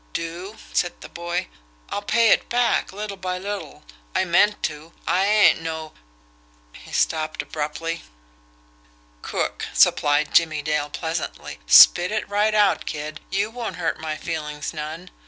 "Do?" said the boy. "I'll pay it back, little by little. I meant to. I ain't no " He stopped abruptly. "Crook," supplied Jimmie Dale pleasantly. "Spit it right out, kid; you won't hurt my feelings none.